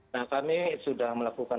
nah kami sudah melakukan